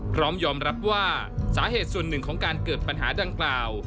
พร้อมยอมรับว่าสาเหตุส่วนหนึ่งของการเกิดปัญหาดังกล่าว